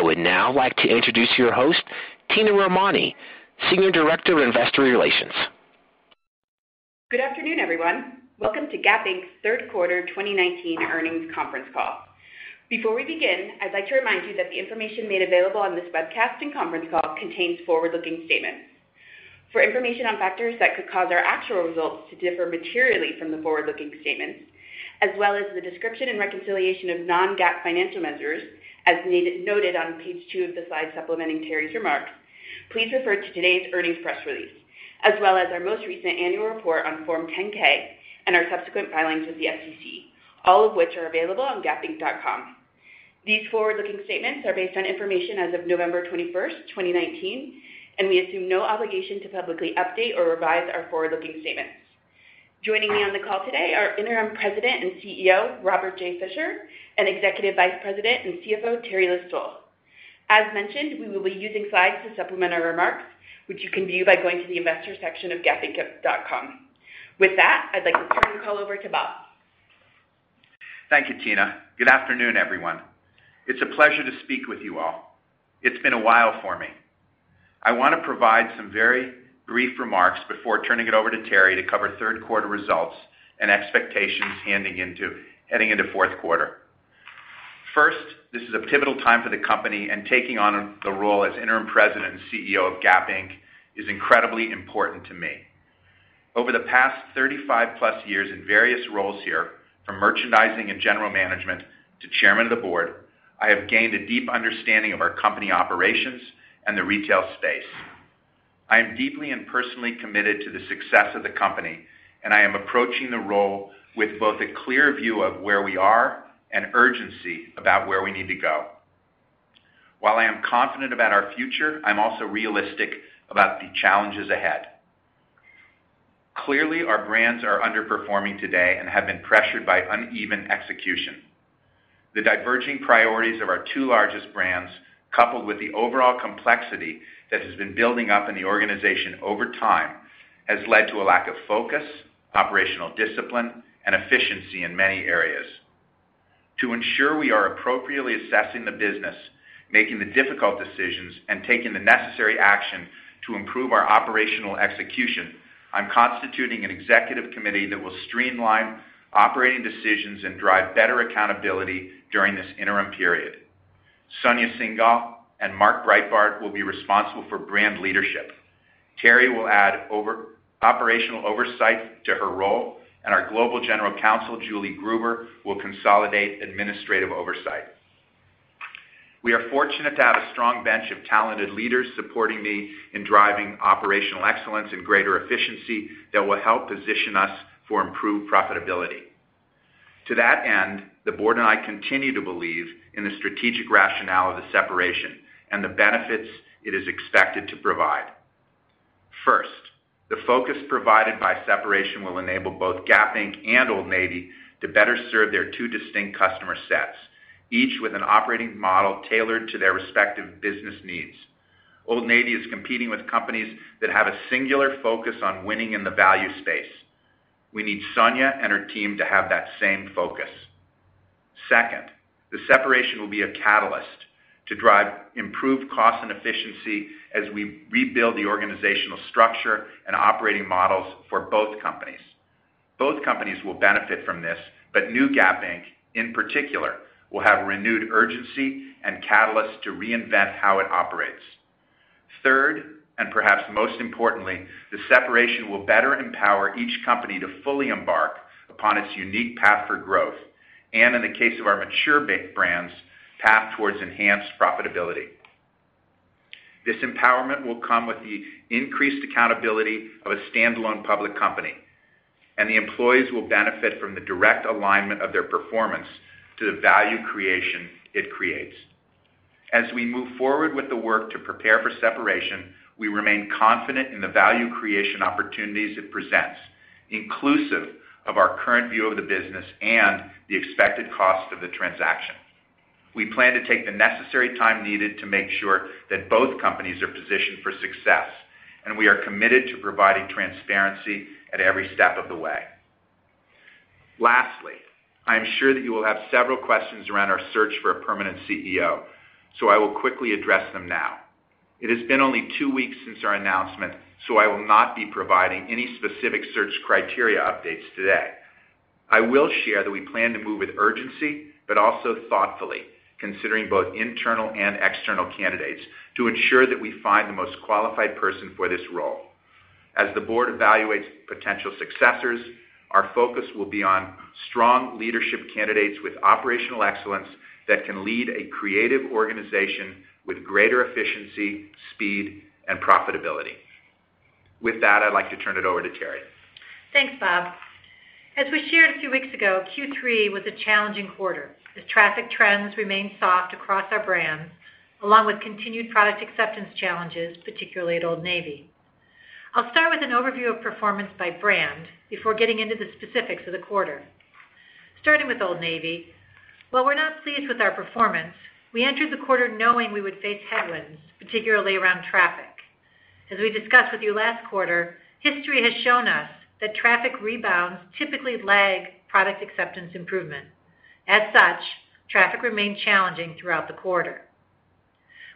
I would now like to introduce your host, Tina Romani, Senior Director of Investor Relations. Good afternoon, everyone. Welcome to Gap Inc.'s third quarter 2019 earnings conference call. Before we begin, I'd like to remind you that the information made available on this webcast and conference call contains forward-looking statements. For information on factors that could cause our actual results to differ materially from the forward-looking statements, as well as the description and reconciliation of non-GAAP financial measures, as noted on page two of the slide supplementing Teri's remarks, please refer to today's earnings press release, as well as our most recent annual report on Form 10-K and our subsequent filings with the SEC, all of which are available on gapinc.com. We assume no obligation to publicly update or revise our forward-looking statements. Joining me on the call today are Interim President and CEO, Robert J. Fisher, and Executive Vice President and CFO, Teri List-Stoll. As mentioned, we will be using slides to supplement our remarks, which you can view by going to the investor section of gapinc.com. With that, I'd like to turn the call over to Bob. Thank you, Tina. Good afternoon, everyone. It's a pleasure to speak with you all. It's been a while for me. I want to provide some very brief remarks before turning it over to Teri to cover third quarter results and expectations heading into fourth quarter. First, this is a pivotal time for the company, and taking on the role as Interim President and CEO of Gap Inc. is incredibly important to me. Over the past 35-plus years in various roles here, from merchandising and general management to chairman of the board, I have gained a deep understanding of our company operations and the retail space. I am deeply and personally committed to the success of the company, and I am approaching the role with both a clear view of where we are and urgency about where we need to go. While I am confident about our future, I'm also realistic about the challenges ahead. Clearly, our brands are underperforming today and have been pressured by uneven execution. The diverging priorities of our two largest brands, coupled with the overall complexity that has been building up in the organization over time, has led to a lack of focus, operational discipline, and efficiency in many areas. To ensure we are appropriately assessing the business, making the difficult decisions, and taking the necessary action to improve our operational execution, I'm constituting an executive committee that will streamline operating decisions and drive better accountability during this interim period. Sonia Syngal and Mark Breitbard will be responsible for brand leadership. Teri will add operational oversight to her role, and our global general counsel, Julie Gruber, will consolidate administrative oversight. We are fortunate to have a strong bench of talented leaders supporting me in driving operational excellence and greater efficiency that will help position us for improved profitability. To that end, the board and I continue to believe in the strategic rationale of the separation and the benefits it is expected to provide. First, the focus provided by separation will enable both Gap Inc. and Old Navy to better serve their two distinct customer sets, each with an operating model tailored to their respective business needs. Old Navy is competing with companies that have a singular focus on winning in the value space. We need Sonia and her team to have that same focus. Second, the separation will be a catalyst to drive improved cost and efficiency as we rebuild the organizational structure and operating models for both companies. Both companies will benefit from this, but new Gap Inc., in particular, will have renewed urgency and catalyst to reinvent how it operates. Third, perhaps most importantly, the separation will better empower each company to fully embark upon its unique path for growth, and in the case of our mature big brands, path towards enhanced profitability. This empowerment will come with the increased accountability of a standalone public company, and the employees will benefit from the direct alignment of their performance to the value creation it creates. As we move forward with the work to prepare for separation, we remain confident in the value creation opportunities it presents, inclusive of our current view of the business and the expected cost of the transaction. We plan to take the necessary time needed to make sure that both companies are positioned for success, and we are committed to providing transparency at every step of the way. I am sure that you will have several questions around our search for a permanent CEO. I will quickly address them now. It has been only two weeks since our announcement. I will not be providing any specific search criteria updates today. I will share that we plan to move with urgency, also thoughtfully, considering both internal and external candidates, to ensure that we find the most qualified person for this role. As the board evaluates potential successors, our focus will be on strong leadership candidates with operational excellence that can lead a creative organization with greater efficiency, speed, and profitability. With that, I'd like to turn it over to Teri. Thanks, Bob. As we shared a few weeks ago, Q3 was a challenging quarter, as traffic trends remained soft across our brands, along with continued product acceptance challenges, particularly at Old Navy. I'll start with an overview of performance by brand before getting into the specifics of the quarter. Starting with Old Navy, while we're not pleased with our performance, we entered the quarter knowing we would face headwinds, particularly around traffic. As we discussed with you last quarter, history has shown us that traffic rebounds typically lag product acceptance improvement. As such, traffic remained challenging throughout the quarter.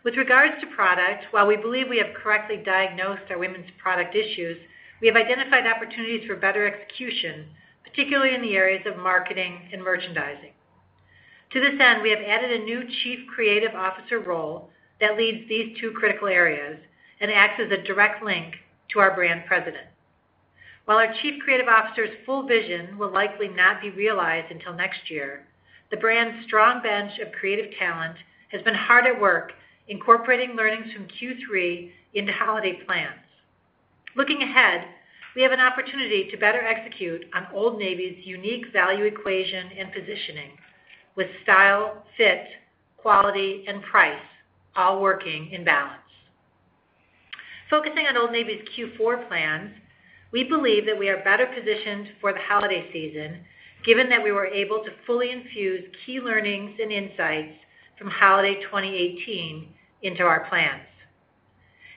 With regards to product, while we believe we have correctly diagnosed our women's product issues, we have identified opportunities for better execution, particularly in the areas of marketing and merchandising. To this end, we have added a new Chief Creative Officer role that leads these two critical areas and acts as a direct link to our Brand President. While our Chief Creative Officer's full vision will likely not be realized until next year, the brand's strong bench of creative talent has been hard at work incorporating learnings from Q3 into holiday plans. Looking ahead, we have an opportunity to better execute on Old Navy's unique value equation and positioning with style, fit, quality, and price all working in balance. Focusing on Old Navy's Q4 plans, we believe that we are better positioned for the holiday season, given that we were able to fully infuse key learnings and insights from holiday 2018 into our plans.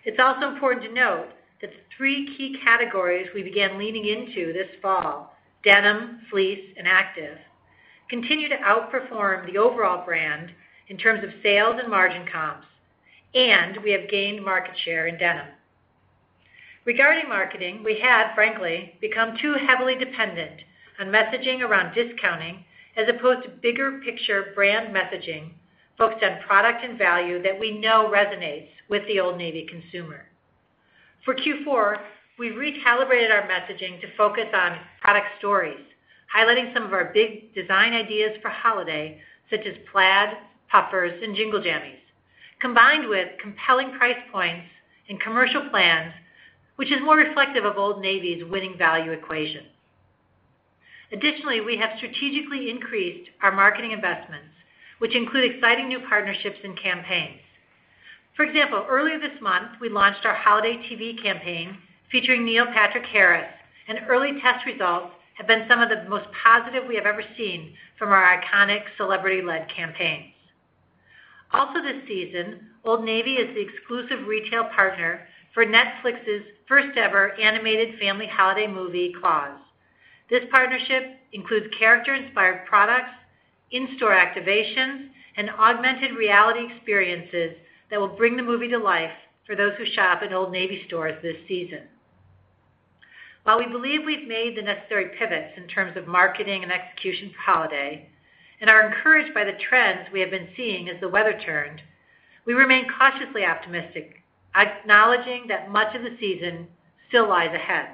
It's also important to note that the three key categories we began leaning into this fall, denim, fleece, and active, continue to outperform the overall brand in terms of sales and margin comps, and we have gained market share in denim. Regarding marketing, we had frankly become too heavily dependent on messaging around discounting as opposed to bigger picture brand messaging focused on product and value that we know resonates with the Old Navy consumer. For Q4, we recalibrated our messaging to focus on product stories, highlighting some of our big design ideas for holiday, such as plaid, puffers, and Jingle Jammies, combined with compelling price points and commercial plans, which is more reflective of Old Navy's winning value equation. Additionally, we have strategically increased our marketing investments, which include exciting new partnerships and campaigns. For example, earlier this month, we launched our holiday TV campaign featuring Neil Patrick Harris. Early test results have been some of the most positive we have ever seen from our iconic celebrity-led campaigns. Also this season, Old Navy is the exclusive retail partner for Netflix's first ever animated family holiday movie, "Klaus." This partnership includes character-inspired products, in-store activations, and augmented reality experiences that will bring the movie to life for those who shop at Old Navy stores this season. While we believe we've made the necessary pivots in terms of marketing and execution for holiday and are encouraged by the trends we have been seeing as the weather turned, we remain cautiously optimistic, acknowledging that much of the season still lies ahead.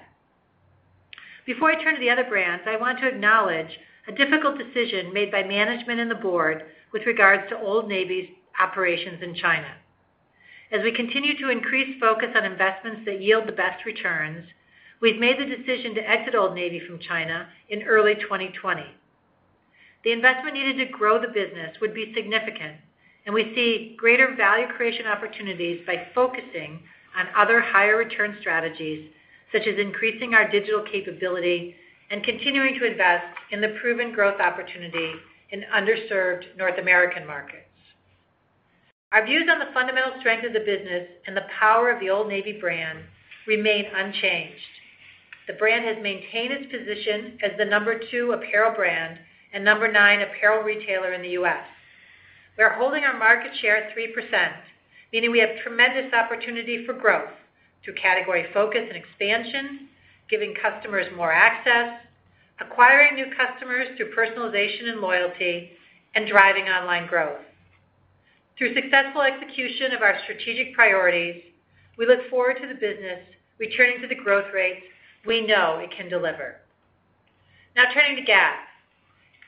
Before I turn to the other brands, I want to acknowledge a difficult decision made by management and the board with regards to Old Navy's operations in China. As we continue to increase focus on investments that yield the best returns, we've made the decision to exit Old Navy from China in early 2020. The investment needed to grow the business would be significant, and we see greater value creation opportunities by focusing on other higher return strategies, such as increasing our digital capability and continuing to invest in the proven growth opportunity in underserved North American markets. Our views on the fundamental strength of the business and the power of the Old Navy brand remain unchanged. The brand has maintained its position as the number 2 apparel brand and number 9 apparel retailer in the U.S. We are holding our market share at 3%, meaning we have tremendous opportunity for growth through category focus and expansion, giving customers more access, acquiring new customers through personalization and loyalty, and driving online growth. Through successful execution of our strategic priorities, we look forward to the business returning to the growth rates we know it can deliver. Now, turning to Gap.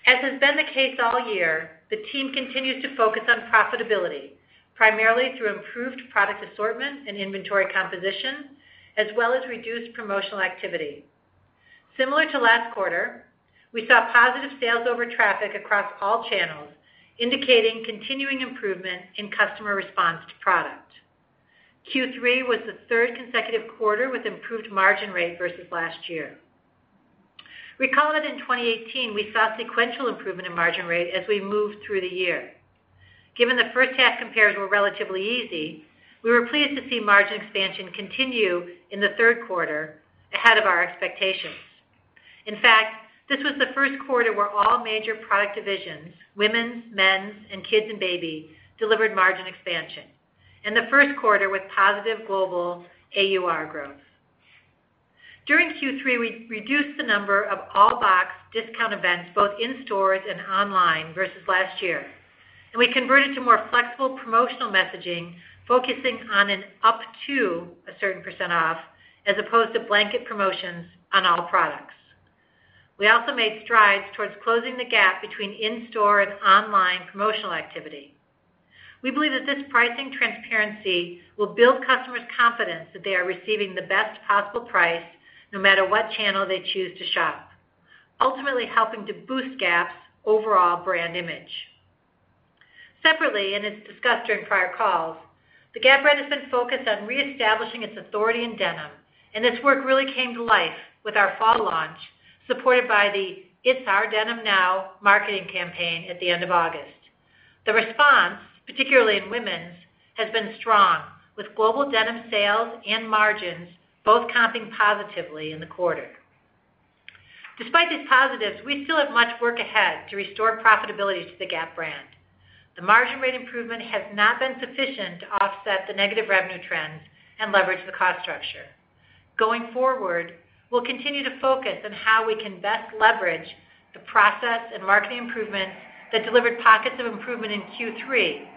As has been the case all year, the team continues to focus on profitability, primarily through improved product assortment and inventory composition, as well as reduced promotional activity. Similar to last quarter, we saw positive sales over traffic across all channels, indicating continuing improvement in customer response to product. Q3 was the third consecutive quarter with improved margin rate versus last year. Recall that in 2018, we saw sequential improvement in margin rate as we moved through the year. Given the first half compares were relatively easy, we were pleased to see margin expansion continue in the third quarter ahead of our expectations. In fact, this was the first quarter where all major product divisions, women's, men's, and kids and baby, delivered margin expansion and the first quarter with positive global AUR growth. During Q3, we reduced the number of all-box discount events both in stores and online versus last year, and we converted to more flexible promotional messaging, focusing on an up to a certain % off as opposed to blanket promotions on all products. We also made strides towards closing the gap between in-store and online promotional activity. We believe that this pricing transparency will build customers' confidence that they are receiving the best possible price no matter what channel they choose to shop, ultimately helping to boost Gap's overall brand image. Separately, and as discussed during prior calls, the Gap brand has been focused on reestablishing its authority in denim, and this work really came to life with our fall launch, supported by the It's Our Denim Now marketing campaign at the end of August. The response, particularly in women's, has been strong, with global denim sales and margins both comping positively in the quarter. Despite these positives, we still have much work ahead to restore profitability to the Gap brand. The margin rate improvement has not been sufficient to offset the negative revenue trends and leverage the cost structure. Going forward, we'll continue to focus on how we can best leverage the process and marketing improvements that delivered pockets of improvement in Q3.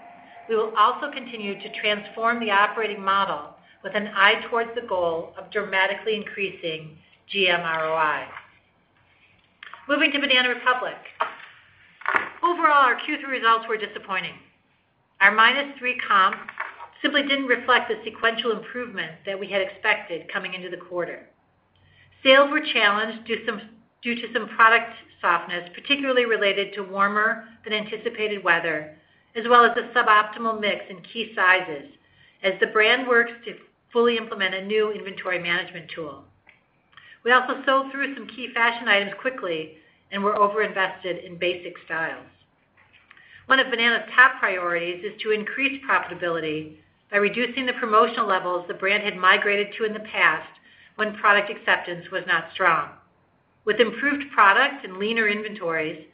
We will also continue to transform the operating model with an eye towards the goal of dramatically increasing GMROI. Moving to Banana Republic. Overall, our Q3 results were disappointing. Our -3% comp simply didn't reflect the sequential improvement that we had expected coming into the quarter. Sales were challenged due to some product softness, particularly related to warmer than anticipated weather, as well as the suboptimal mix in key sizes as the brand works to fully implement a new inventory management tool. We also sold through some key fashion items quickly and were over-invested in basic styles. One of Banana's top priorities is to increase profitability by reducing the promotional levels the brand had migrated to in the past when product acceptance was not strong. With improved product and leaner inventories,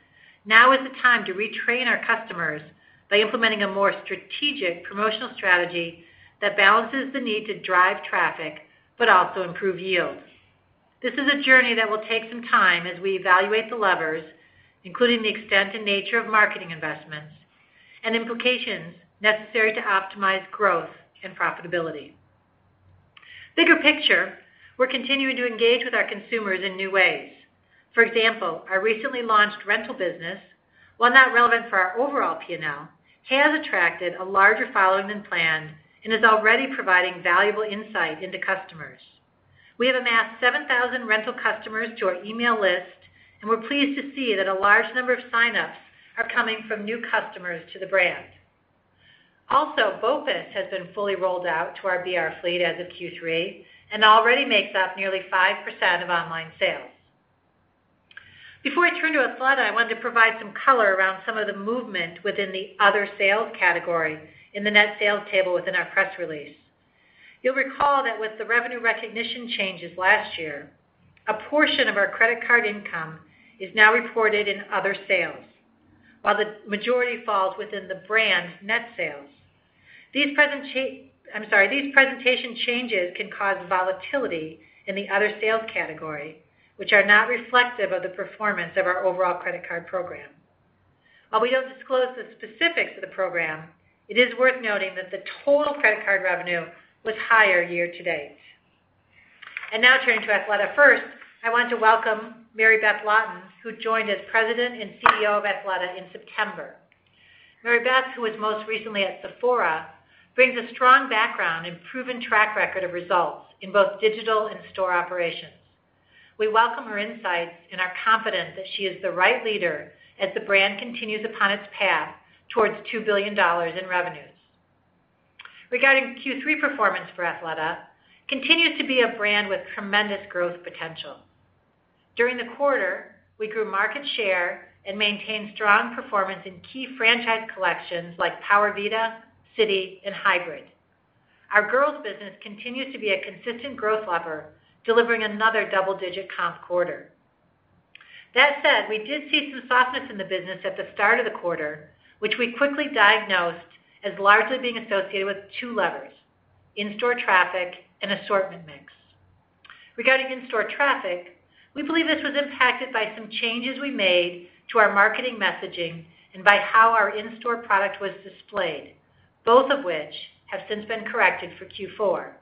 now is the time to retrain our customers by implementing a more strategic promotional strategy that balances the need to drive traffic but also improve yields. This is a journey that will take some time as we evaluate the levers, including the extent and nature of marketing investments and implications necessary to optimize growth and profitability. Bigger picture, we're continuing to engage with our consumers in new ways. For example, our recently launched rental business, while not relevant for our overall P&L, has attracted a larger following than planned and is already providing valuable insight into customers. We have amassed 7,000 rental customers to our email list, and we're pleased to see that a large number of sign-ups are coming from new customers to the brand. Also, BOPUS has been fully rolled out to our BR fleet as of Q3 and already makes up nearly 5% of online sales. Before I turn to Athleta, I wanted to provide some color around some of the movement within the other sales category in the net sales table within our press release. You'll recall that with the revenue recognition changes last year, a portion of our credit card income is now reported in other sales, while the majority falls within the brand's net sales. These presentation changes can cause volatility in the other sales category, which are not reflective of the performance of our overall credit card program. While we don't disclose the specifics of the program, it is worth noting that the total credit card revenue was higher year-to-date. Now turning to Athleta. First, I want to welcome Mary Beth Laughton, who joined as President and CEO of Athleta in September. Mary Beth, who was most recently at Sephora, brings a strong background and proven track record of results in both digital and store operations. We welcome her insights and are confident that she is the right leader as the brand continues upon its path towards $2 billion in revenues. Regarding Q3 performance for Athleta, continues to be a brand with tremendous growth potential. During the quarter, we grew market share and maintained strong performance in key franchise collections like Powervita, City, and Hybrid. Our girls business continues to be a consistent growth lever, delivering another double-digit comp quarter. That said, we did see some softness in the business at the start of the quarter, which we quickly diagnosed as largely being associated with two levers, in-store traffic and assortment mix. Regarding in-store traffic, we believe this was impacted by some changes we made to our marketing messaging and by how our in-store product was displayed, both of which have since been corrected for Q4.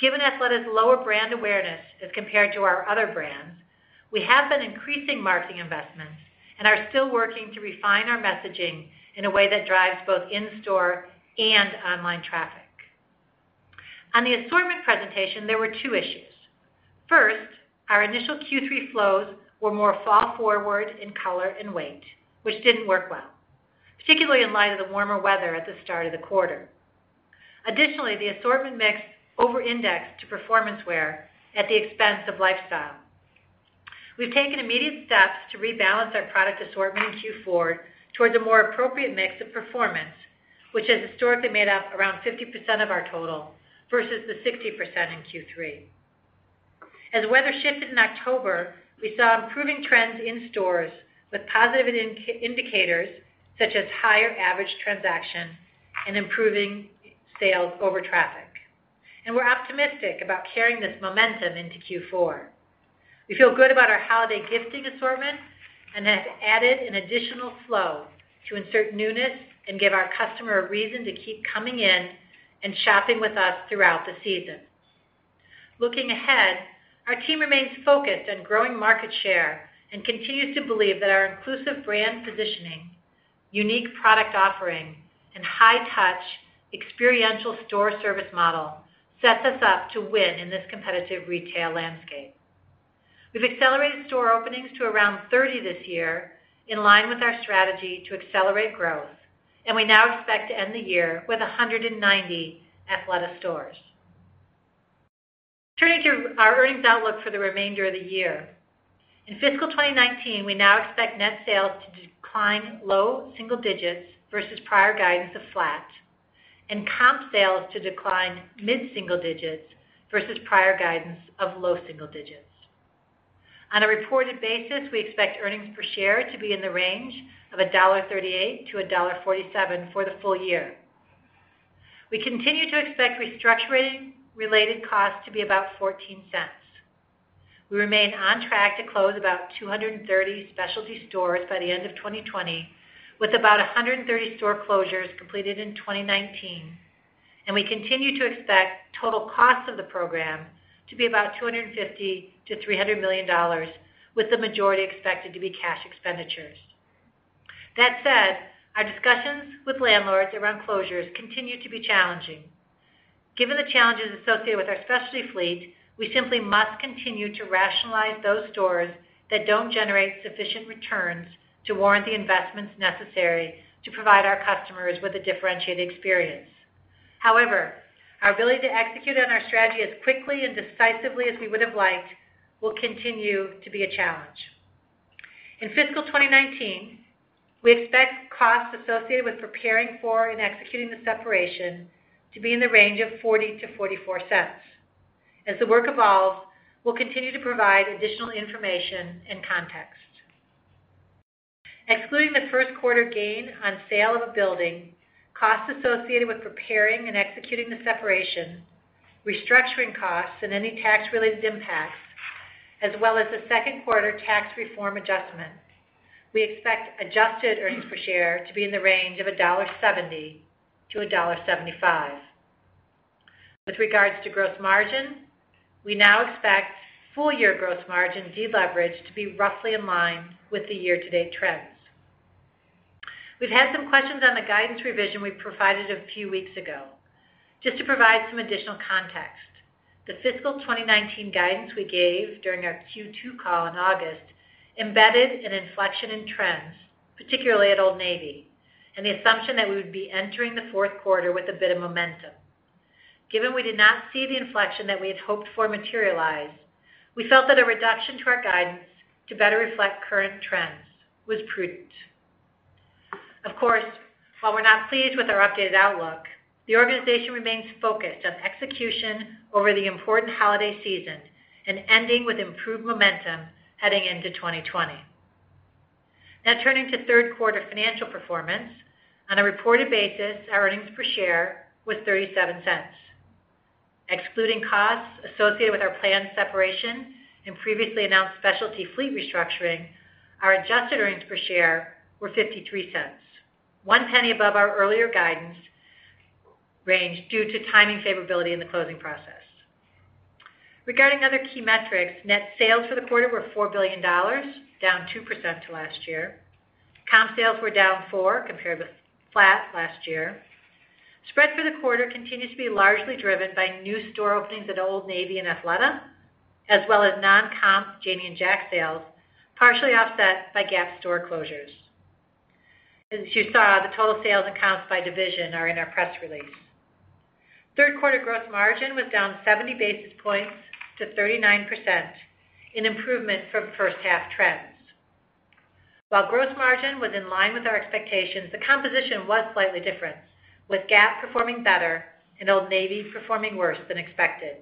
Given Athleta's lower brand awareness as compared to our other brands, we have been increasing marketing investments and are still working to refine our messaging in a way that drives both in-store and online traffic. On the assortment presentation, there were two issues. First, our initial Q3 flows were more fall forward in color and weight, which didn't work well, particularly in light of the warmer weather at the start of the quarter. Additionally, the assortment mix over-indexed to performance wear at the expense of lifestyle. We've taken immediate steps to rebalance our product assortment in Q4 towards a more appropriate mix of performance, which has historically made up around 50% of our total versus the 60% in Q3. As weather shifted in October, we saw improving trends in stores with positive indicators such as higher average transaction and improving sales over traffic. We're optimistic about carrying this momentum into Q4. We feel good about our holiday gifting assortment and have added an additional flow to insert newness and give our customer a reason to keep coming in and shopping with us throughout the season. Looking ahead, our team remains focused on growing market share and continues to believe that our inclusive brand positioning, unique product offering, and high touch experiential store service model sets us up to win in this competitive retail landscape. We've accelerated store openings to around 30 this year, in line with our strategy to accelerate growth. We now expect to end the year with 190 Athleta stores. Turning to our earnings outlook for the remainder of the year. In fiscal 2019, we now expect net sales to decline low single digits versus prior guidance of flat, and comp sales to decline mid-single digits versus prior guidance of low single digits. On a reported basis, we expect earnings per share to be in the range of $1.38 to $1.47 for the full year. We continue to expect restructuring-related costs to be about $0.14. We remain on track to close about 230 specialty stores by the end of 2020, with about 130 store closures completed in 2019. We continue to expect total costs of the program to be about $250 million-$300 million, with the majority expected to be cash expenditures. That said, our discussions with landlords around closures continue to be challenging. Given the challenges associated with our specialty fleet, we simply must continue to rationalize those stores that don't generate sufficient returns to warrant the investments necessary to provide our customers with a differentiated experience. However, our ability to execute on our strategy as quickly and decisively as we would have liked will continue to be a challenge. In fiscal 2019, we expect costs associated with preparing for and executing the separation to be in the range of $0.40-$0.44. As the work evolves, we'll continue to provide additional information and context. Excluding the first quarter gain on sale of a building, costs associated with preparing and executing the separation, restructuring costs, and any tax-related impacts, as well as the second quarter tax reform adjustment, we expect adjusted earnings per share to be in the range of $1.70-$1.75. With regards to gross margin, we now expect full-year gross margin deleverage to be roughly in line with the year-to-date trends. We've had some questions on the guidance revision we provided a few weeks ago. Just to provide some additional context, the fiscal 2019 guidance we gave during our Q2 call in August embedded an inflection in trends, particularly at Old Navy, and the assumption that we would be entering the fourth quarter with a bit of momentum. Given we did not see the inflection that we had hoped for materialize, we felt that a reduction to our guidance to better reflect current trends was prudent. Of course, while we're not pleased with our updated outlook, the organization remains focused on execution over the important holiday season and ending with improved momentum heading into 2020. Turning to third quarter financial performance. On a reported basis, our earnings per share was $0.37. Excluding costs associated with our planned separation and previously announced specialty fleet restructuring, our adjusted earnings per share were $0.53, $0.01 above our earlier guidance range due to timing favorability in the closing process. Regarding other key metrics, net sales for the quarter were $4 billion, down 2% to last year. Comp sales were down 4% compared with flat last year. Spread for the quarter continues to be largely driven by new store openings at Old Navy and Athleta, as well as non-comp Janie and Jack sales, partially offset by Gap store closures. As you saw, the total sales and comps by division are in our press release. Third quarter gross margin was down 70 basis points to 39%, an improvement from first half trends. While gross margin was in line with our expectations, the composition was slightly different, with Gap performing better and Old Navy performing worse than expected.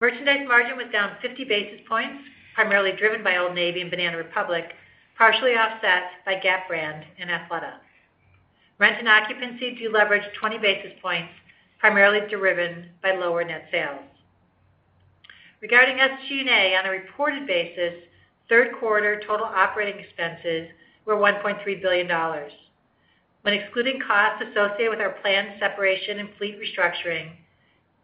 Merchandise margin was down 50 basis points, primarily driven by Old Navy and Banana Republic, partially offset by Gap brand and Athleta. Rent and occupancy deleveraged 20 basis points, primarily driven by lower net sales. Regarding SG&A, on a reported basis, third quarter total operating expenses were $1.3 billion. When excluding costs associated with our planned separation and fleet restructuring,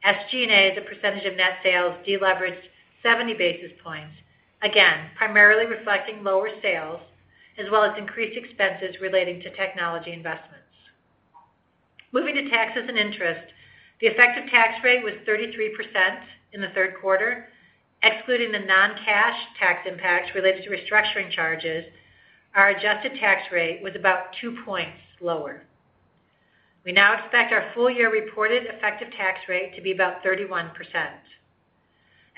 SG&A as a percentage of net sales deleveraged 70 basis points, again, primarily reflecting lower sales as well as increased expenses relating to technology investments. Moving to taxes and interest, the effective tax rate was 33% in the third quarter. Excluding the non-cash tax impacts related to restructuring charges, our adjusted tax rate was about two points lower. We now expect our full-year reported effective tax rate to be about 31%.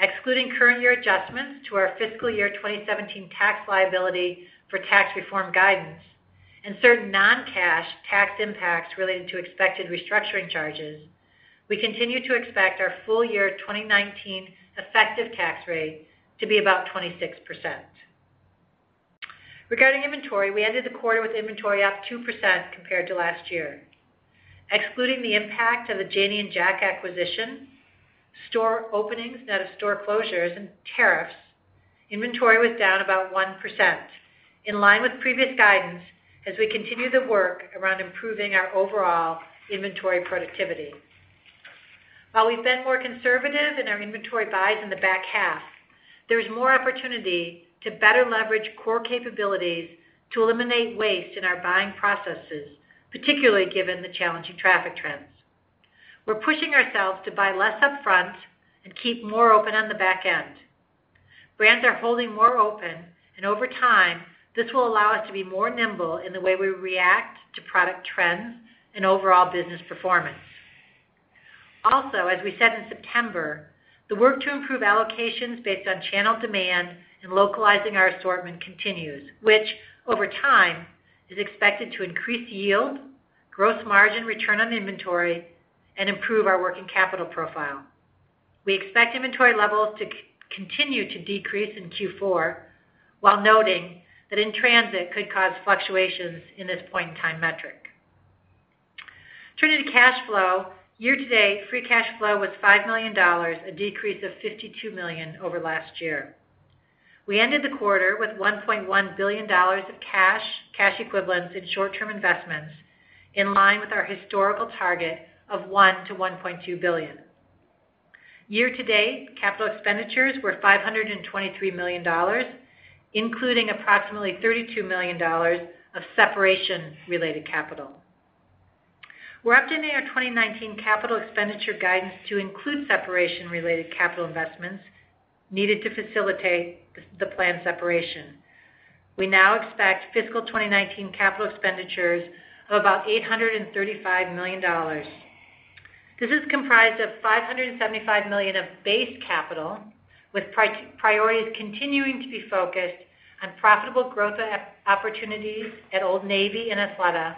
Excluding current year adjustments to our fiscal year 2017 tax liability for tax reform guidance and certain non-cash tax impacts related to expected restructuring charges, we continue to expect our full-year 2019 effective tax rate to be about 26%. Regarding inventory, we ended the quarter with inventory up 2% compared to last year. Excluding the impact of the Janie and Jack acquisition, store openings net of store closures, and tariffs, inventory was down about 1%, in line with previous guidance as we continue the work around improving our overall inventory productivity. While we've been more conservative in our inventory buys in the back half, there's more opportunity to better leverage core capabilities to eliminate waste in our buying processes, particularly given the challenging traffic trends. We're pushing ourselves to buy less upfront and keep more open on the back end. Brands are holding more open, over time, this will allow us to be more nimble in the way we react to product trends and overall business performance. Also, as we said in September, the work to improve allocations based on channel demand and localizing our assortment continues, which over time is expected to increase yield, gross margin return on inventory, and improve our working capital profile. We expect inventory levels to continue to decrease in Q4, while noting that in-transit could cause fluctuations in this point-in-time metric. Turning to cash flow, year-to-date free cash flow was $5 million, a decrease of $52 million over last year. We ended the quarter with $1.1 billion of cash equivalents, and short-term investments, in line with our historical target of $1 billion-$1.2 billion. Year-to-date capital expenditures were $523 million, including approximately $32 million of separation-related capital. We're updating our 2019 capital expenditure guidance to include separation-related capital investments needed to facilitate the planned separation. We now expect fiscal 2019 capital expenditures of about $835 million. This is comprised of $575 million of base capital, with priorities continuing to be focused on profitable growth opportunities at Old Navy and Athleta,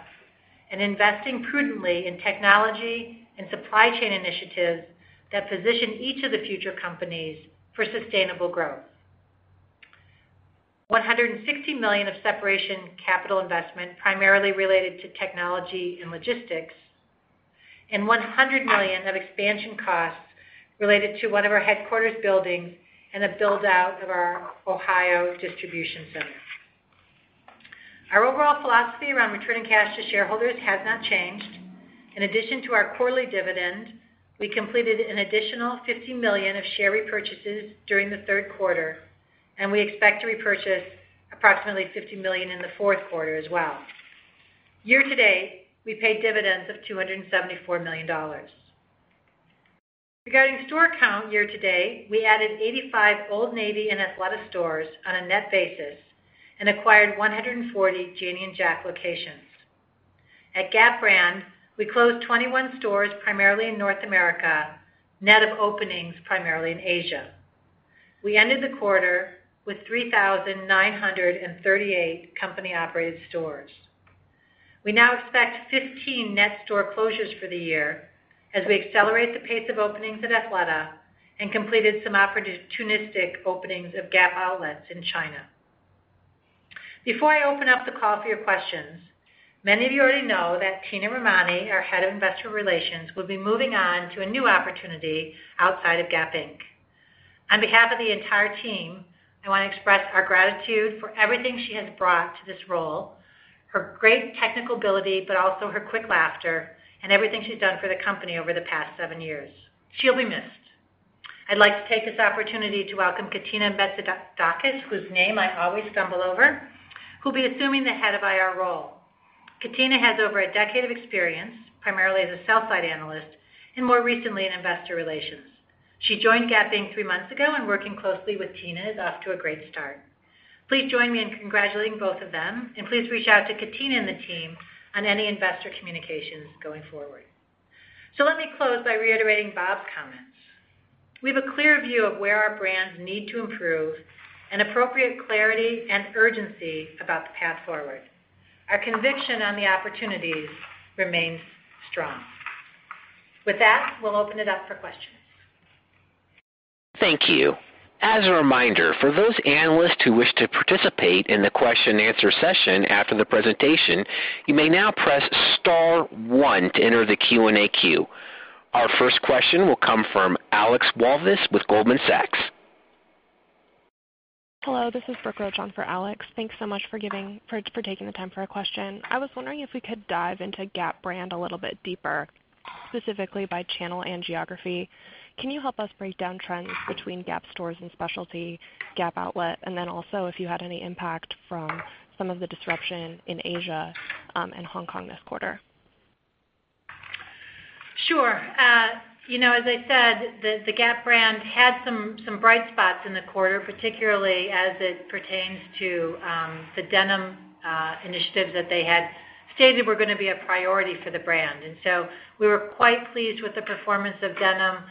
and investing prudently in technology and supply chain initiatives that position each of the future companies for sustainable growth. $160 million of separation capital investment, primarily related to technology and logistics, and $100 million of expansion costs related to one of our headquarters buildings and the build-out of our Ohio distribution center. Our overall philosophy around returning cash to shareholders has not changed. In addition to our quarterly dividend, we completed an additional $50 million of share repurchases during the third quarter, and we expect to repurchase approximately $50 million in the fourth quarter as well. Year-to-date, we paid dividends of $274 million. Regarding store count, year-to-date, we added 85 Old Navy and Athleta stores on a net basis and acquired 140 Janie and Jack locations. At Gap brand, we closed 21 stores, primarily in North America, net of openings, primarily in Asia. We ended the quarter with 3,938 company-operated stores. We now expect 15 net store closures for the year as we accelerate the pace of openings at Athleta and completed some opportunistic openings of Gap outlets in China. Before I open up the call for your questions, many of you already know that Tina Romani, our head of investor relations, will be moving on to a new opportunity outside of Gap Inc. On behalf of the entire team, I want to express our gratitude for everything she has brought to this role, her great technical ability, but also her quick laughter and everything she's done for the company over the past seven years. She'll be missed. I'd like to take this opportunity to welcome Katina Betsidakis, whose name I always stumble over, who'll be assuming the head of IR role. Katina has over a decade of experience, primarily as a sell side analyst, and more recently in investor relations. She joined Gap Inc. three months ago and working closely with Tina, is off to a great start. Please join me in congratulating both of them, and please reach out to Katina and the team on any investor communications going forward. Let me close by reiterating Bob's comments. We have a clear view of where our brands need to improve and appropriate clarity and urgency about the path forward. Our conviction on the opportunities remains strong. With that, we'll open it up for questions. Thank you. As a reminder, for those analysts who wish to participate in the question and answer session after the presentation, you may now press star one to enter the Q&A queue. Our first question will come from Alex Walvis with Goldman Sachs. Hello, this is Brooke Roach on for Alex. Thanks so much for taking the time for our question. I was wondering if we could dive into Gap brand a little bit deeper, specifically by channel and geography. Can you help us break down trends between Gap stores and specialty Gap Outlet? Also if you had any impact from some of the disruption in Asia and Hong Kong this quarter. Sure. As I said, the Gap brand had some bright spots in the quarter, particularly as it pertains to the denim initiatives that they had stated were going to be a priority for the brand. We were quite pleased with the performance of denim,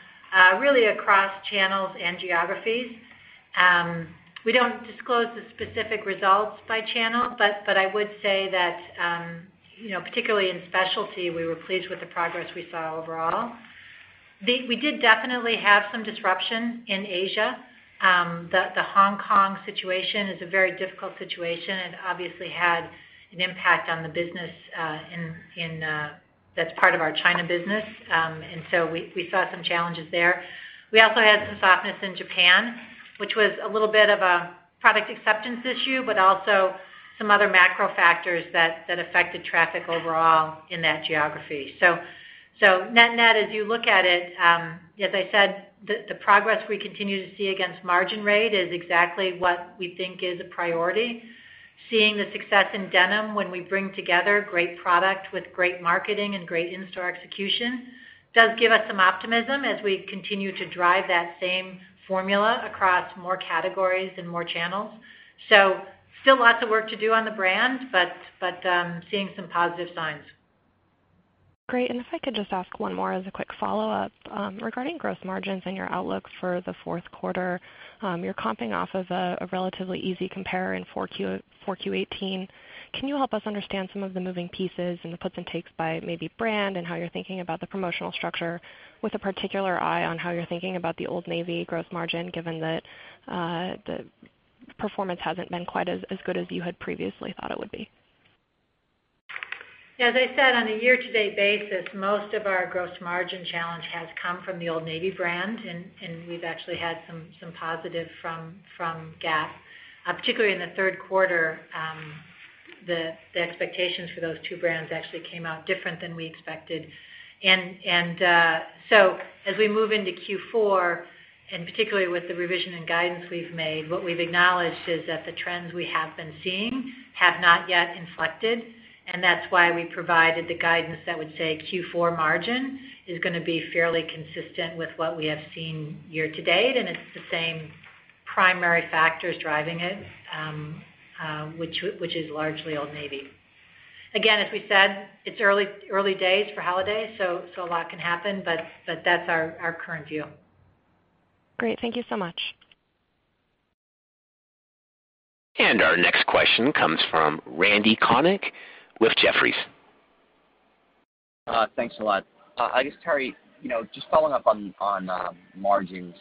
really across channels and geographies. We don't disclose the specific results by channel, but I would say that, particularly in specialty, we were pleased with the progress we saw overall. We did definitely have some disruption in Asia. The Hong Kong situation is a very difficult situation and obviously had an impact on the business that's part of our China business. We saw some challenges there. We also had some softness in Japan, which was a little bit of a product acceptance issue, but also some other macro factors that affected traffic overall in that geography. Net-net, as you look at it, as I said, the progress we continue to see against margin rate is exactly what we think is a priority. Seeing the success in denim when we bring together great product with great marketing and great in-store execution does give us some optimism as we continue to drive that same formula across more categories and more channels. Still lots of work to do on the brand, but seeing some positive signs. Great. If I could just ask one more as a quick follow-up. Regarding gross margins and your outlook for the fourth quarter, you're comping off of a relatively easy compare in 4Q 2018. Can you help us understand some of the moving pieces and the puts and takes by maybe brand, and how you're thinking about the promotional structure with a particular eye on how you're thinking about the Old Navy gross margin, given that the performance hasn't been quite as good as you had previously thought it would be? Yeah. As I said, on a year-to-date basis, most of our gross margin challenge has come from the Old Navy brand, and we've actually had some positive from Gap. Particularly in the third quarter, the expectations for those two brands actually came out different than we expected. As we move into Q4, and particularly with the revision in guidance we've made, what we've acknowledged is that the trends we have been seeing have not yet inflected. That's why we provided the guidance that would say Q4 margin is going to be fairly consistent with what we have seen year-to-date, and it's the same primary factors driving it, which is largely Old Navy. Again, as we said, it's early days for holidays, so a lot can happen, but that's our current view. Great. Thank you so much. Our next question comes from Randy Konik with Jefferies. Thanks a lot. Teri, just following up on margins.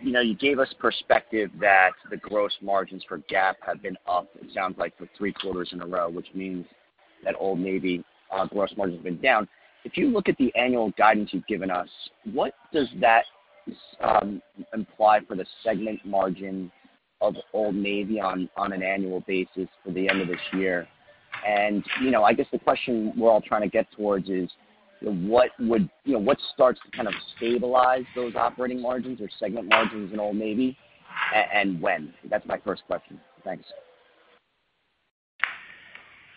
You gave us perspective that the gross margins for Gap have been up, it sounds like for three quarters in a row, which means that Old Navy gross margins have been down. If you look at the annual guidance you've given us, what does that imply for the segment margin of Old Navy on an annual basis for the end of this year? The question we're all trying to get towards is what starts to kind of stabilize those operating margins or segment margins in Old Navy, and when? That's my first question. Thanks.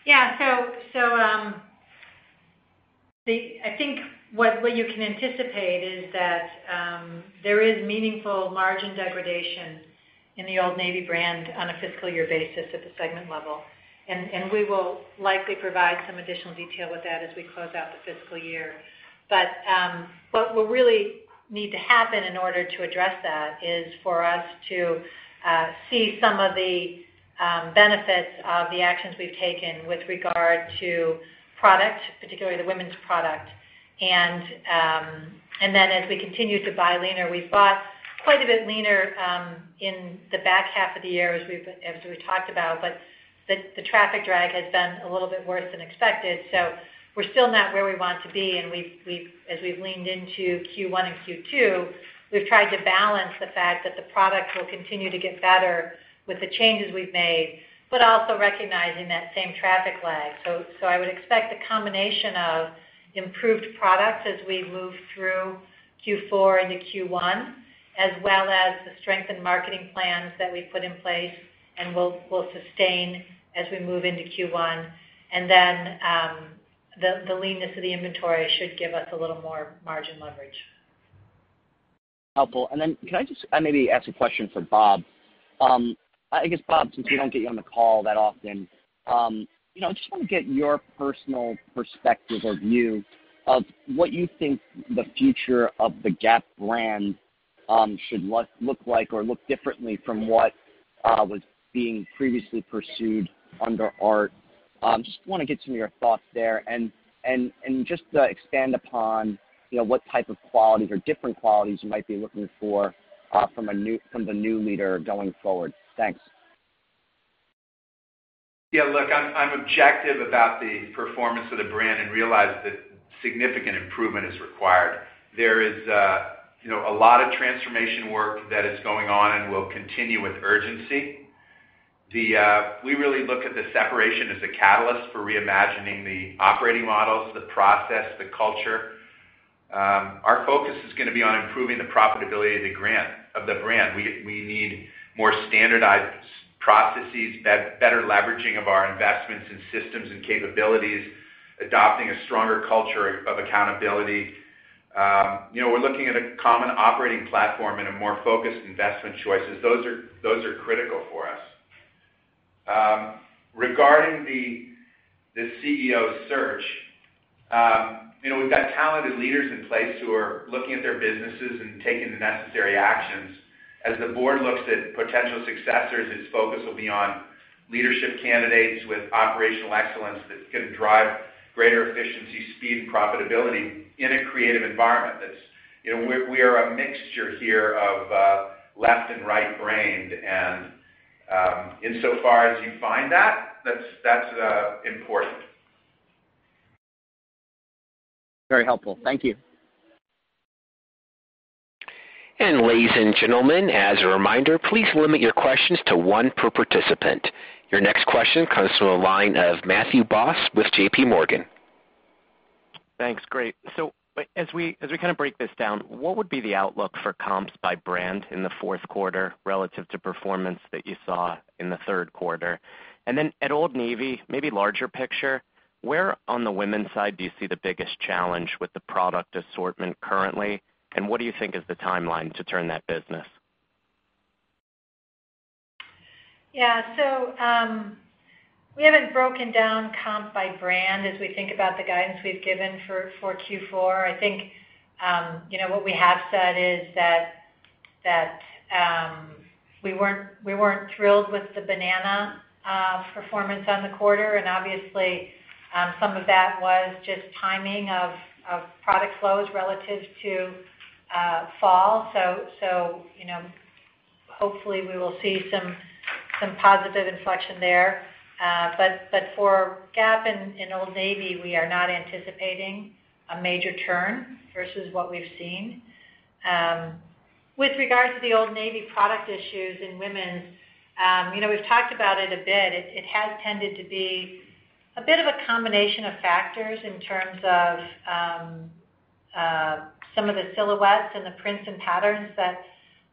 Yeah. I think what you can anticipate is that there is meaningful margin degradation in the Old Navy brand on a fiscal year basis at the segment level, and we will likely provide some additional detail with that as we close out the fiscal year. What will really need to happen in order to address that is for us to see some of the benefits of the actions we've taken with regard to product, particularly the women's product. As we continue to buy leaner, we've bought quite a bit leaner in the back half of the year as we've talked about, but the traffic drag has been a little bit worse than expected. We're still not where we want to be, and as we've leaned into Q1 and Q2, we've tried to balance the fact that the product will continue to get better with the changes we've made, but also recognizing that same traffic lag. I would expect a combination of improved products as we move through Q4 into Q1, as well as the strength in marketing plans that we've put in place and will sustain as we move into Q1. The leanness of the inventory should give us a little more margin leverage. Helpful. Can I just maybe ask a question for Bob? I guess, Bob, since we don't get you on the call that often, I just want to get your personal perspective or view of what you think the future of the Gap brand should look like or look differently from what was being previously pursued under Art. Just want to get some of your thoughts there, and just expand upon what type of qualities or different qualities you might be looking for from the new leader going forward. Thanks. Look, I'm objective about the performance of the brand and realize that significant improvement is required. There is a lot of transformation work that is going on and will continue with urgency. We really look at the separation as a catalyst for reimagining the operating models, the process, the culture. Our focus is going to be on improving the profitability of the brand. We need more standardized processes, better leveraging of our investments in systems and capabilities, adopting a stronger culture of accountability. We're looking at a common operating platform and a more focused investment choices. Those are critical for us. Regarding the CEO search, we've got talented leaders in place who are looking at their businesses and taking the necessary actions. As the board looks at potential successors, its focus will be on leadership candidates with operational excellence that can drive greater efficiency, speed, and profitability in a creative environment. We are a mixture here of left and right-brained, and insofar as you find that's important. Very helpful. Thank you. Ladies and gentlemen, as a reminder, please limit your questions to one per participant. Your next question comes from the line of Matthew Boss with JPMorgan. Thanks. Great. As we kind of break this down, what would be the outlook for comps by brand in the fourth quarter relative to performance that you saw in the third quarter? Then at Old Navy, maybe larger picture, where on the women's side do you see the biggest challenge with the product assortment currently, and what do you think is the timeline to turn that business? Yeah. We haven't broken down comp by brand as we think about the guidance we've given for Q4. I think what we have said is that we weren't thrilled with the Banana performance on the quarter, and obviously, some of that was just timing of product flows relative to fall. Hopefully we will see some positive inflection there. For Gap and Old Navy, we are not anticipating a major turn versus what we've seen. With regards to the Old Navy product issues in women's, we've talked about it a bit. It has tended to be a bit of a combination of factors in terms of some of the silhouettes and the prints and patterns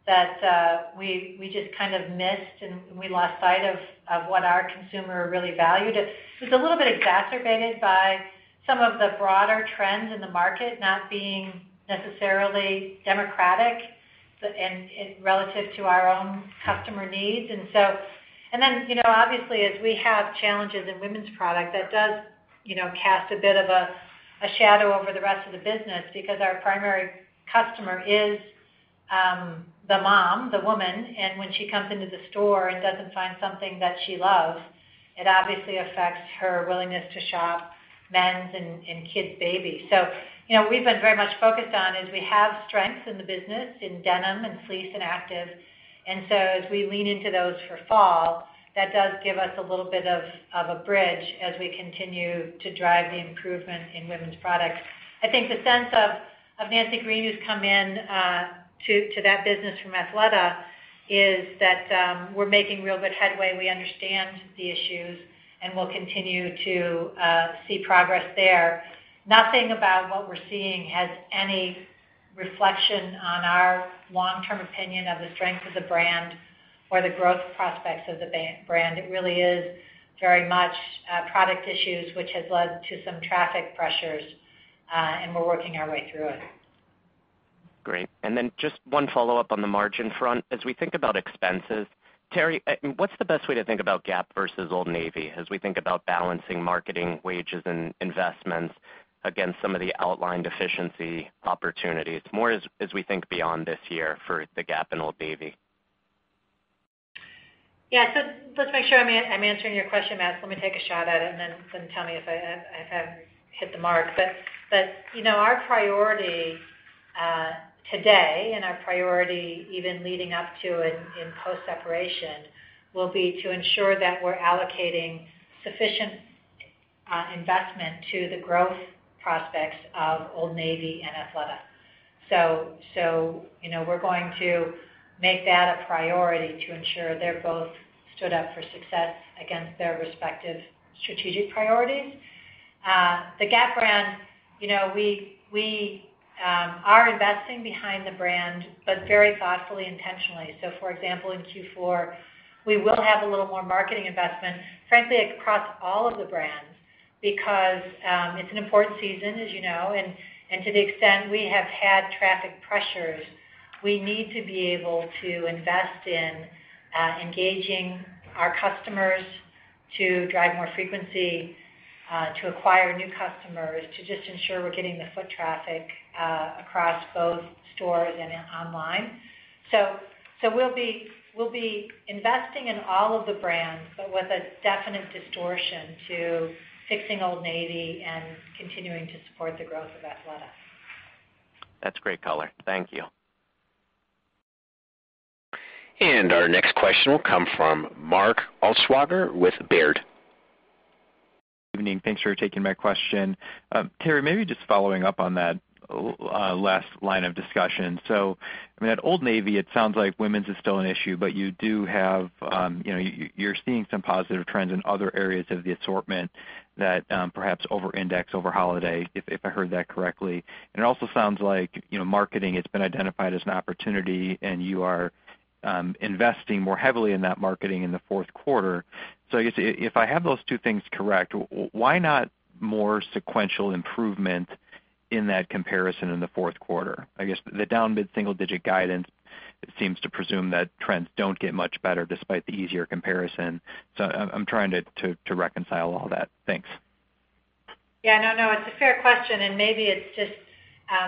that we just kind of missed, and we lost sight of what our consumer really valued. It was a little bit exacerbated by some of the broader trends in the market not being necessarily democratic relative to our own customer needs. Then, obviously, as we have challenges in women's product, that does cast a bit of a shadow over the rest of the business because our primary customer is the mom, the woman, and when she comes into the store and doesn't find something that she loves, it obviously affects her willingness to shop men's and kids' baby. What we've been very much focused on is we have strengths in the business in denim and fleece and active, as we lean into those for fall, that does give us a little bit of a bridge as we continue to drive the improvement in women's products. I think the sense of Nancy Green who's come in to that business from Athleta is that we're making real good headway. We understand the issues, and we'll continue to see progress there. Nothing about what we're seeing has any reflection on our long-term opinion of the strength of the brand or the growth prospects of the brand. It really is very much product issues, which has led to some traffic pressures, and we're working our way through it. Great. Just one follow-up on the margin front. As we think about expenses, Teri, what's the best way to think about Gap versus Old Navy as we think about balancing marketing wages and investments against some of the outlined efficiency opportunities, more as we think beyond this year for the Gap and Old Navy? Yeah. Just make sure I'm answering your question, Matt. Let me take a shot at it and then tell me if I haven't hit the mark. Our priority today, and our priority even leading up to and in post-separation, will be to ensure that we're allocating sufficient investment to the growth prospects of Old Navy and Athleta. We're going to make that a priority to ensure they're both stood up for success against their respective strategic priorities. The Gap brand, we are investing behind the brand, but very thoughtfully, intentionally. For example, in Q4, we will have a little more marketing investment, frankly, across all of the brands because it's an important season, as you know, and to the extent we have had traffic pressures, we need to be able to invest in engaging our customers to drive more frequency, to acquire new customers, to just ensure we're getting the foot traffic across both stores and online. We'll be investing in all of the brands, but with a definite distortion to fixing Old Navy and continuing to support the growth of Athleta. That's great color. Thank you. Our next question will come from Mark Altschwager with Baird. Evening. Thanks for taking my question. Teri, maybe just following up on that last line of discussion. At Old Navy, it sounds like women's is still an issue, but you're seeing some positive trends in other areas of the assortment that perhaps over-index over holiday, if I heard that correctly. It also sounds like marketing, it's been identified as an opportunity, and you are investing more heavily in that marketing in the fourth quarter. I guess if I have those two things correct, why not more sequential improvement in that comparison in the fourth quarter? I guess the down mid-single digit guidance seems to presume that trends don't get much better despite the easier comparison. I'm trying to reconcile all that. Thanks. No, it's a fair question, and maybe it's just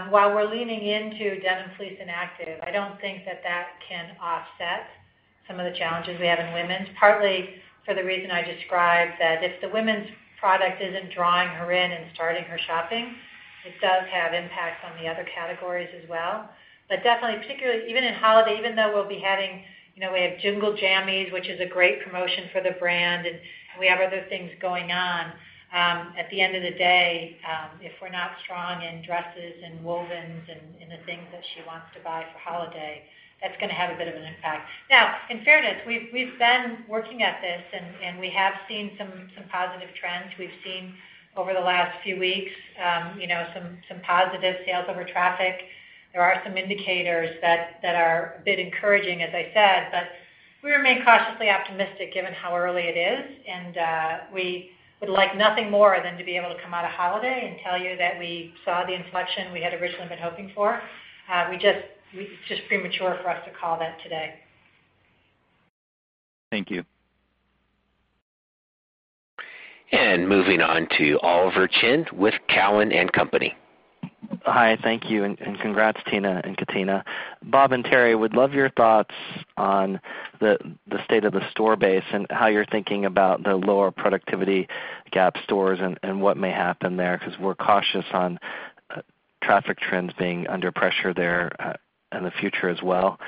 while we're leaning into denim, fleece, and active, I don't think that that can offset some of the challenges we have in women's, partly for the reason I described that if the women's product isn't drawing her in and starting her shopping, it does have impacts on the other categories as well. Definitely, particularly even in holiday, even though we have Jingle Jammies, which is a great promotion for the brand, and we have other things going on, at the end of the day, if we're not strong in dresses and wovens and in the things that she wants to buy for holiday, that's going to have a bit of an impact. Now, in fairness, we've been working at this, and we have seen some positive trends. We've seen over the last few weeks some positive sales over traffic. There are some indicators that are a bit encouraging, as I said, but we remain cautiously optimistic given how early it is. We would like nothing more than to be able to come out of holiday and tell you that we saw the inflection we had originally been hoping for. It's just premature for us to call that today. Thank you. Moving on to Oliver Chen with Cowen and Company. Hi, thank you, and congrats, Tina and Katrina. Bob and Terry, would love your thoughts on the state of the store base and how you're thinking about the lower productivity Gap stores and what may happen there, because we're cautious on traffic trends being under pressure there in the future as well.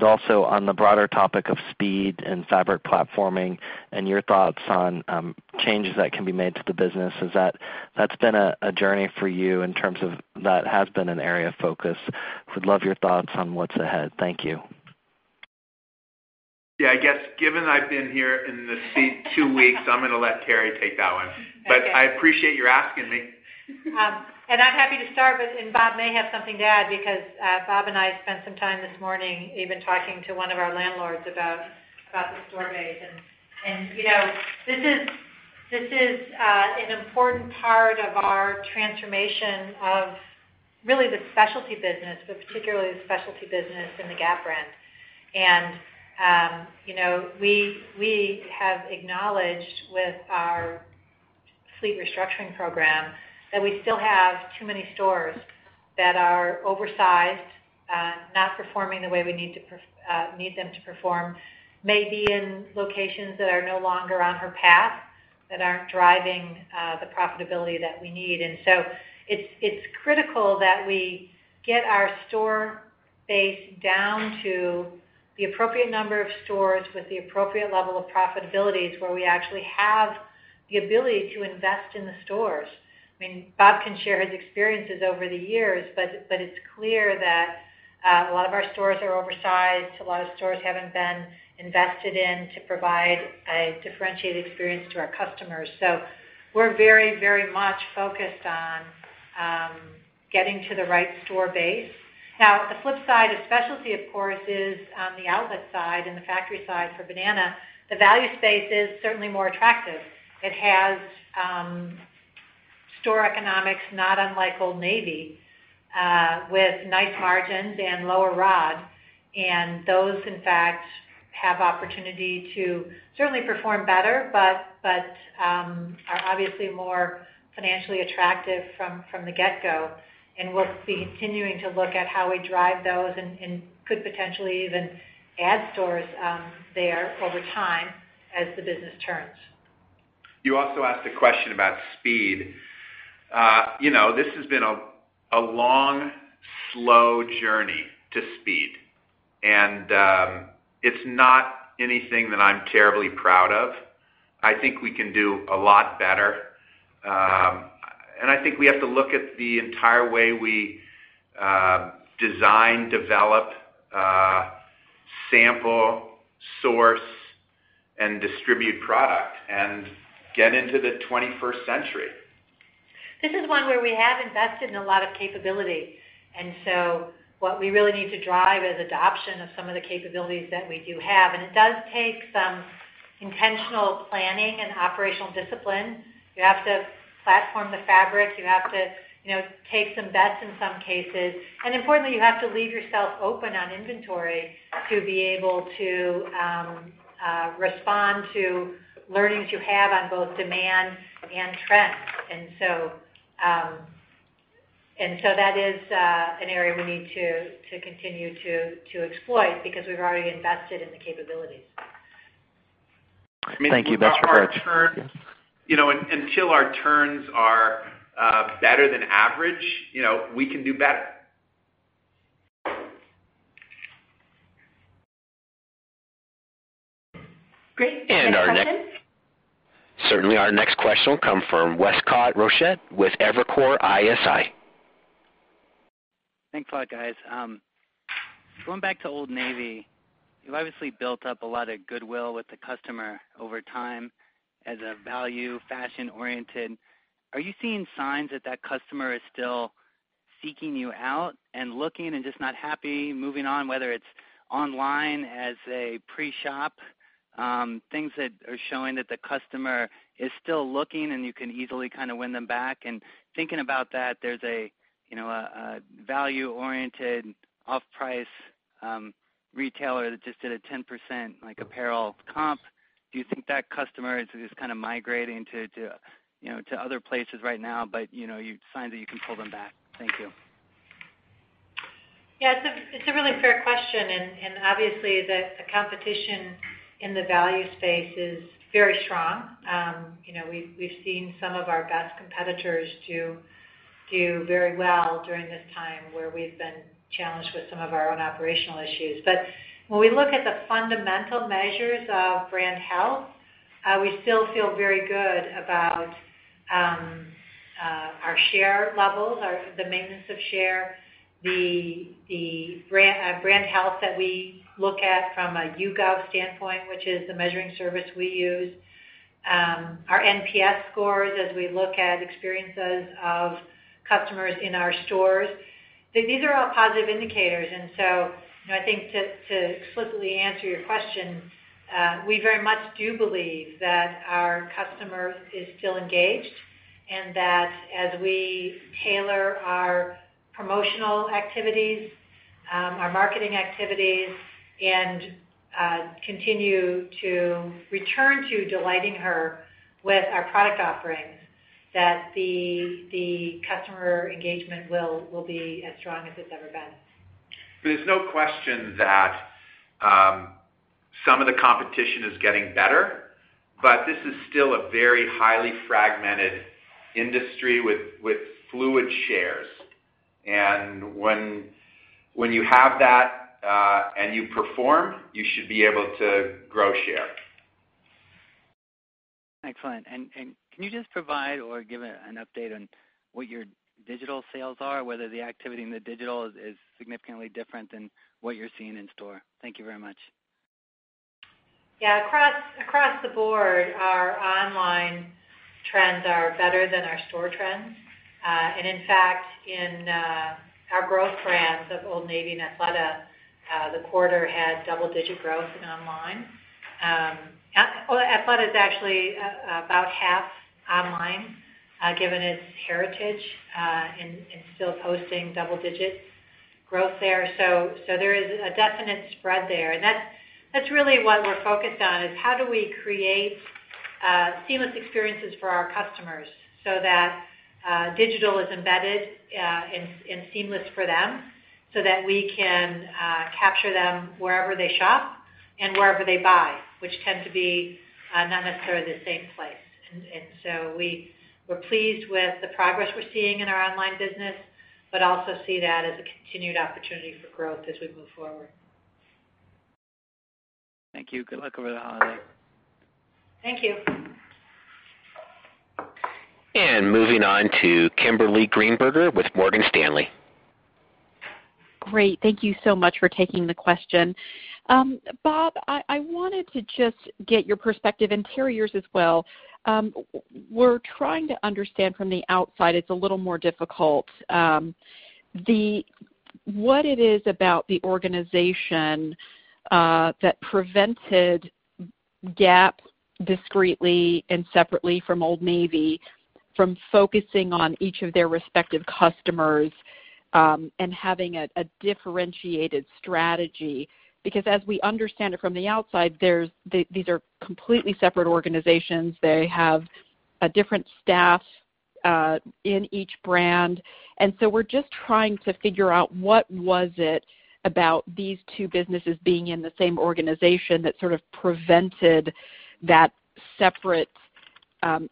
Also on the broader topic of speed and fabric platforming and your thoughts on changes that can be made to the business, as that's been a journey for you in terms of that has been an area of focus. Would love your thoughts on what's ahead. Thank you. Yeah, I guess given I've been here in this seat two weeks, I'm going to let Teri take that one. Okay. I appreciate you asking me. I'm happy to start with, and Bob may have something to add because Bob and I spent some time this morning even talking to one of our landlords about the store base. This is an important part of our transformation of really the specialty business, but particularly the specialty business in the Gap brand. We have acknowledged with our fleet restructuring program that we still have too many stores that are oversized, not performing the way we need them to perform, maybe in locations that are no longer on our path, that aren't driving the profitability that we need. It's critical that we get our store base down to the appropriate number of stores with the appropriate level of profitability, where we actually have the ability to invest in the stores. Bob can share his experiences over the years, but it's clear that a lot of our stores are oversized. A lot of stores haven't been invested in to provide a differentiated experience to our customers. We're very much focused on getting to the right store base. Now, the flip side of specialty, of course, is on the outlet side and the factory side for Banana, the value space is certainly more attractive. It has store economics, not unlike Old Navy, with nice margins and lower ROD. Those, in fact, have opportunity to certainly perform better but are obviously more financially attractive from the get-go. We're continuing to look at how we drive those and could potentially even add stores there over time as the business turns. You also asked a question about speed. This has been a long, slow journey to speed, and it's not anything that I'm terribly proud of. I think we can do a lot better. I think we have to look at the entire way we design, develop, sample, source, and distribute product and get into the 21st century. This is one where we have invested in a lot of capability, so what we really need to drive is adoption of some of the capabilities that we do have. It does take some intentional planning and operational discipline. You have to platform the fabrics. You have to take some bets in some cases. Importantly, you have to leave yourself open on inventory to be able to respond to learnings you have on both demand and trends. That is an area we need to continue to exploit because we've already invested in the capabilities. Thank you. Best regards. Until our turns are better than average, we can do better. Great. Next question. Certainly, our next question will come from Westcott Rochette with Evercore ISI. Thanks a lot, guys. Going back to Old Navy, you've obviously built up a lot of goodwill with the customer over time as a value fashion oriented. Are you seeing signs that that customer is still seeking you out and looking and just not happy moving on, whether it's online as a pre-shop, things that are showing that the customer is still looking and you can easily win them back? Thinking about that, there's a value-oriented off-price retailer that just did a 10% apparel comp. Do you think that customer is just migrating to other places right now, but you find that you can pull them back? Thank you. Yeah, it's a really fair question, and obviously, the competition in the value space is very strong. We've seen some of our best competitors do very well during this time where we've been challenged with some of our own operational issues. When we look at the fundamental measures of brand health, we still feel very good about our share levels, the maintenance of share, the brand health that we look at from a YouGov standpoint, which is the measuring service we use, our NPS scores as we look at experiences of customers in our stores. These are all positive indicators. I think to explicitly answer your question, we very much do believe that our customer is still engaged, and that as we tailor our promotional activities, our marketing activities, and continue to return to delighting her with our product offerings, that the customer engagement will be as strong as it's ever been. There's no question that some of the competition is getting better, but this is still a very highly fragmented industry with fluid shares. When you have that and you perform, you should be able to grow share. Excellent. Can you just provide or give an update on what your digital sales are, whether the activity in the digital is significantly different than what you're seeing in store? Thank you very much. Yeah. Across the board, our online trends are better than our store trends. In fact, in our growth brands of Old Navy and Athleta, the quarter had double-digit growth in online. Athleta is actually about half online, given its heritage, and still posting double-digit growth there. There is a definite spread there. That's really what we're focused on, is how do we create seamless experiences for our customers so that digital is embedded and seamless for them so that we can capture them wherever they shop and wherever they buy, which tend to be not necessarily the same place. We were pleased with the progress we're seeing in our online business, but also see that as a continued opportunity for growth as we move forward. Thank you. Good luck over the holiday. Thank you. Moving on to Kimberly Greenberger with Morgan Stanley. Great. Thank you so much for taking the question. Bob, I wanted to just get your perspective, and Teri's as well. We're trying to understand from the outside, it's a little more difficult. What it is about the organization that prevented Gap, discreetly and separately from Old Navy, from focusing on each of their respective customers, and having a differentiated strategy. As we understand it from the outside, these are completely separate organizations. They have a different staff in each brand. We're just trying to figure out what was it about these two businesses being in the same organization that sort of prevented that separate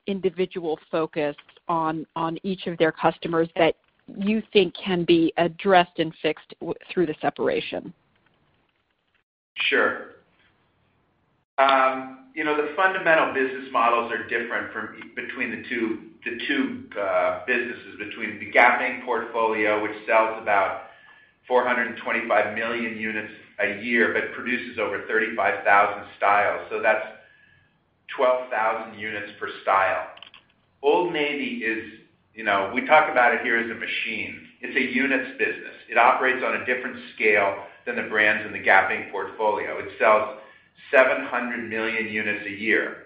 individual focus on each of their customers that you think can be addressed and fixed through the separation. Sure. The fundamental business models are different between the two businesses. Between the Gap Inc. portfolio, which sells about 425 million units a year but produces over 35,000 styles. That's 12,000 units per style. Old Navy we talk about it here as a machine. It's a units business. It operates on a different scale than the brands in the Gap Inc. portfolio. It sells 700 million units a year,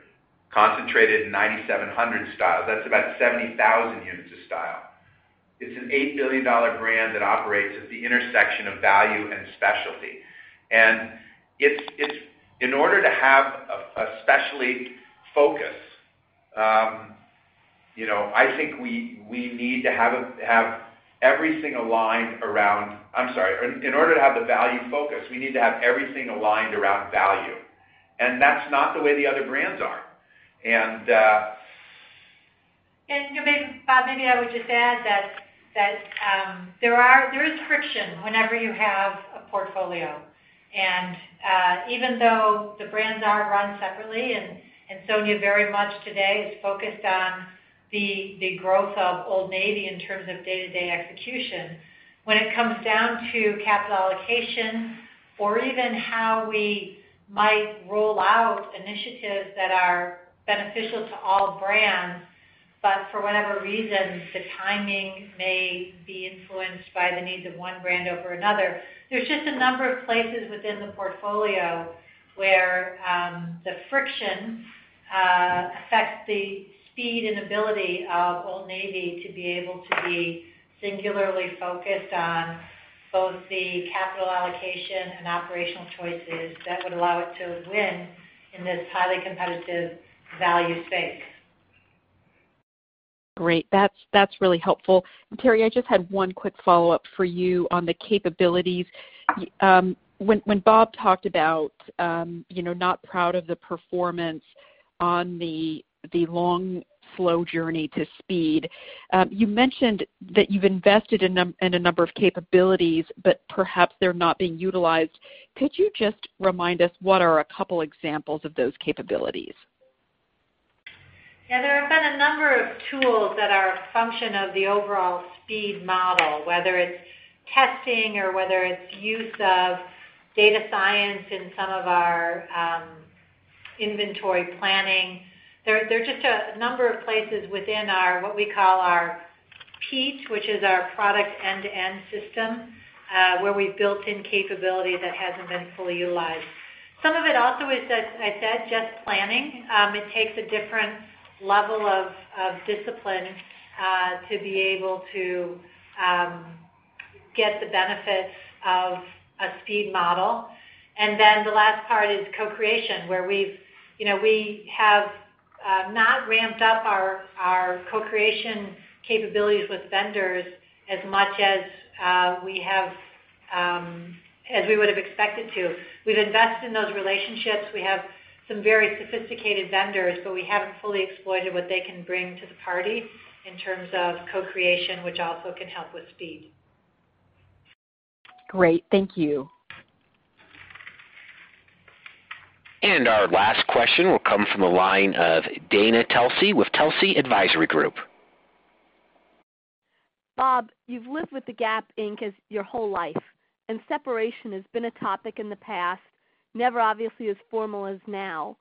concentrated in 9,700 styles. That's about 70,000 units a style. It's an $8 billion brand that operates at the intersection of value and specialty. I'm sorry. In order to have the value focus, we need to have everything aligned around value. That's not the way the other brands are. Bob, maybe I would just add that there is friction whenever you have a portfolio. Even though the brands are run separately, and Sonia very much today is focused on the growth of Old Navy in terms of day-to-day execution. It comes down to capital allocation or even how we might roll out initiatives that are beneficial to all brands, but for whatever reason, the timing may be influenced by the needs of one brand over another. There's just a number of places within the portfolio where the friction affects the speed and ability of Old Navy to be able to be singularly focused on both the capital allocation and operational choices that would allow it to win in this highly competitive value space. Great. That's really helpful. Teri, I just had one quick follow-up for you on the capabilities. When Bob talked about not proud of the performance on the long, slow journey to speed. You mentioned that you've invested in a number of capabilities, but perhaps they're not being utilized. Could you just remind us what are a couple examples of those capabilities? Yeah. There have been a number of tools that are a function of the overall speed model, whether it's testing or whether it's use of data science in some of our inventory planning. There are just a number of places within what we call our PETE, which is our product end-to-end system, where we've built in capability that hasn't been fully utilized. Some of it also is, as I said, just planning. It takes a different level of discipline to be able to get the benefits of a speed model. The last part is co-creation, where we have not ramped up our co-creation capabilities with vendors as much as we would have expected to. We've invested in those relationships. We have some very sophisticated vendors, we haven't fully exploited what they can bring to the party in terms of co-creation, which also can help with speed. Great. Thank you. Our last question will come from the line of Dana Telsey with Telsey Advisory Group. Bob, you've lived with the Gap Inc. your whole life, separation has been a topic in the past, never obviously as formal as now.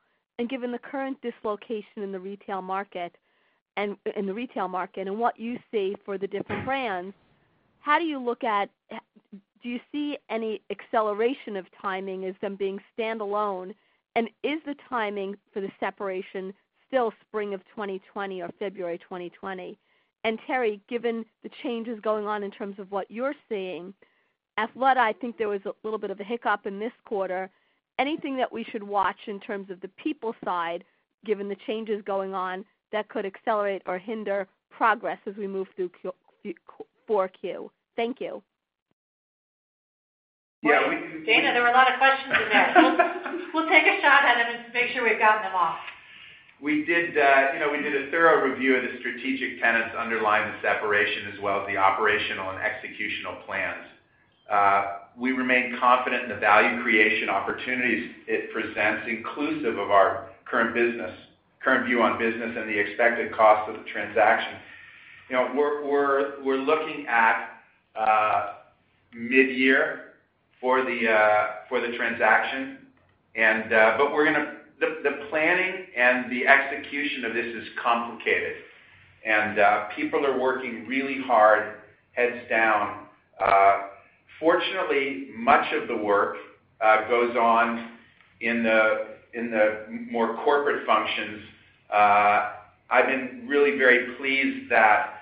Given the current dislocation in the retail market and what you see for the different brands, do you see any acceleration of timing as them being standalone? Is the timing for the separation still spring of 2020 or February 2020? Terry, given the changes going on in terms of what you're seeing, Athleta, I think there was a little bit of a hiccup in this quarter. Anything that we should watch in terms of the people side, given the changes going on that could accelerate or hinder progress as we move through 4Q? Thank you. Dana, there were a lot of questions in there. We'll take a shot at it and just make sure we've gotten them all. We did a thorough review of the strategic tenets underlying the separation, as well as the operational and executional plans. We remain confident in the value creation opportunities it presents, inclusive of our current view on business and the expected cost of the transaction. We're looking at mid-year for the transaction. The planning and the execution of this is complicated, and people are working really hard, heads down. Fortunately, much of the work goes on in the more corporate functions. I've been really very pleased that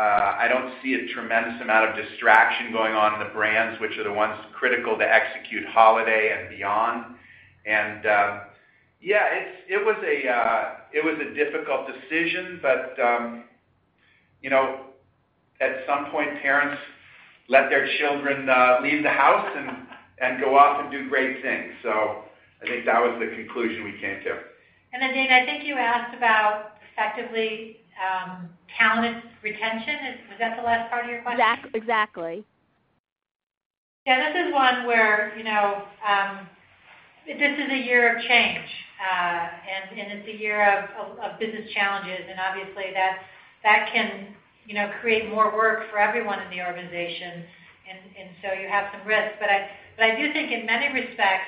I don't see a tremendous amount of distraction going on in the brands, which are the ones critical to execute holiday and beyond. Yeah, it was a difficult decision, but at some point, parents let their children leave the house and go off and do great things. I think that was the conclusion we came to. Dana, I think you asked about effectively talent retention. Was that the last part of your question? Exactly. This is one where this is a year of change. It's a year of business challenges, and obviously that can create more work for everyone in the organization. You have some risks. I do think in many respects,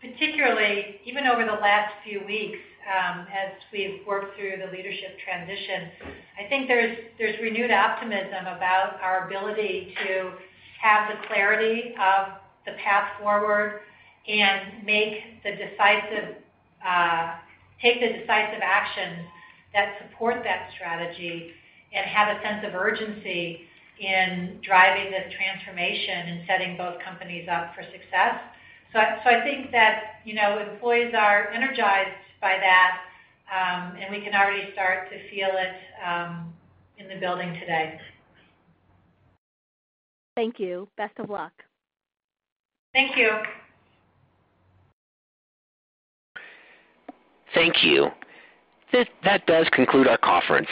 particularly even over the last few weeks as we've worked through the leadership transition, I think there's renewed optimism about our ability to have the clarity of the path forward and take the decisive actions that support that strategy and have a sense of urgency in driving the transformation and setting both companies up for success. I think that employees are energized by that, and we can already start to feel it in the building today. Thank you. Best of luck. Thank you. Thank you. That does conclude our conference.